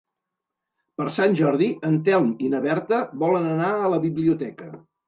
Per Sant Jordi en Telm i na Berta volen anar a la biblioteca.